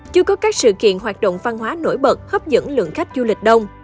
chưa có các sự kiện hoạt động văn hóa nổi bật hấp dẫn lượng khách du lịch đông